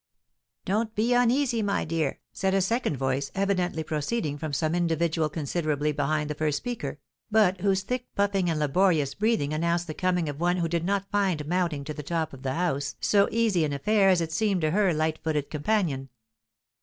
"Don't be uneasy, my dear," said a second voice, evidently proceeding from some individual considerably behind the first speaker, but whose thick puffing and laborious breathing announced the coming of one who did not find mounting to the top of the house so easy an affair as it seemed to her light footed companion.